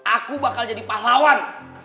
aku bakal jadi pahlawan